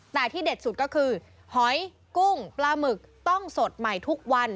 แต่ที่เด็ดสุดก็คือหอยกุ้งปลาหมึกต้องสดใหม่ทุกวัน